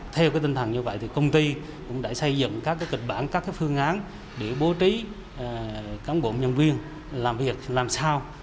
theo tinh thần như vậy thì công ty cũng đã xây dựng các kịch bản các phương án để bố trí cán bộ nhân viên làm việc làm sao